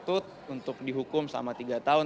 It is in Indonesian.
patut untuk dihukum selama tiga tahun